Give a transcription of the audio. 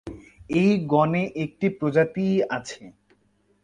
এই গণে একটি প্রজাতিই আছে।